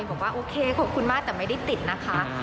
บอกว่าโอเคขอบคุณมากแต่ไม่ได้ติดนะคะ